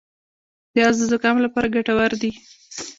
پیاز د زکام لپاره ګټور دي